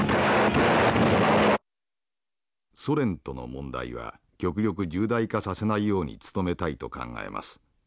「ソ連との問題は極力重大化させないように努めたいと考えます。